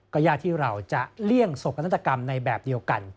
ยากที่เราจะเลี่ยงโศกนาฏกรรมในแบบเดียวกัน